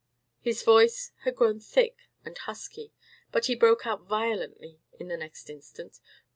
His voice had grown thick and husky; but he broke out violently in the next instant.